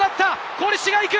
コリシが行く！